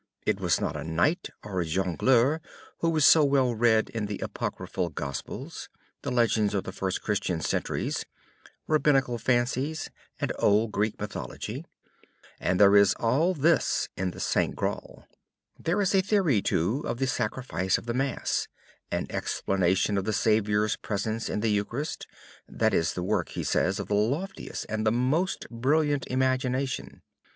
It was not a knight or a jongleur who was so well read in the apocryphal gospels, the legends of the first Christian centuries, rabbinical fancies, and old Greek mythology; and there is all this in the St. Graal. There is a theory, too, of the sacrifice of the mass, an explanation of the Saviour's presence in the Eucharist, that is the work, he says, of the loftiest and the most brilliant imagination.